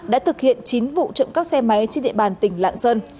đã thực hiện chín vụ trộm cắp xe máy trên địa bàn tỉnh lạng sơn